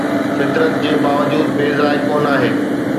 فطرت جي باوجود بي ذائقو ناهي